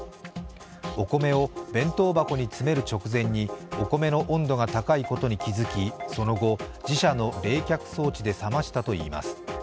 お米を弁当箱に詰める直前にお米の温度が高いことに気付き、その後、自社の冷却装置で冷ましたといいます。